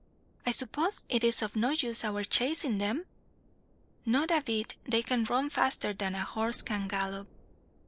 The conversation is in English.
"I suppose it is of no use our chasing them?" "Not a bit. They can run faster than a horse can gallop."